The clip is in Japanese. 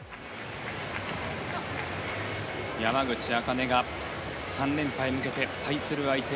山口茜が３連覇へ向けて対する相手